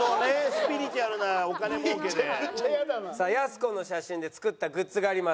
さあやす子の写真で作ったグッズがあります。